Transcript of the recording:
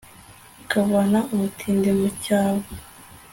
akavana umutindi mu cyavu